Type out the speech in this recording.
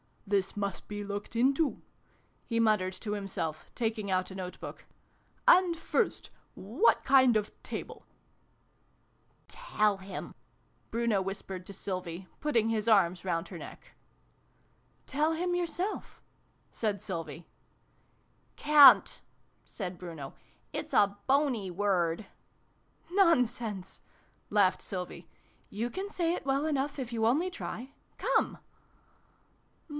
" This must be looked into," he muttered to himself, taking out a note book. " And first what kind of table ?"" Tell him !" Bruno whispered to Sylvie, putting his arms round her neck. " Tell him yourself," said Sylvie. " Can't," said Bruno. " It's a bony word." " Nonsense !" laughed Sylvie. " You can say it well enough, if you only try. Come